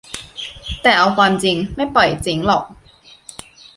แต่เอาตามจริง ไม่ปล่อยเจ๊งหรอก